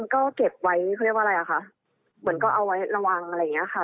ก็เก็บไว้เขาเรียกว่าอะไรอ่ะคะเหมือนก็เอาไว้ระวังอะไรอย่างเงี้ยค่ะ